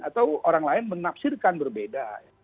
atau orang lain menafsirkan berbeda